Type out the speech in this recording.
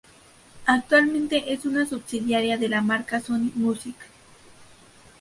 Actualmente es una subsidiaria de la marca Sony Music.